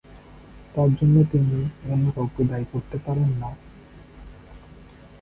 তার জন্য তিনি অন্য কাউকে দায়ী করতে পারেন না।